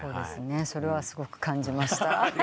それはすごく感じました。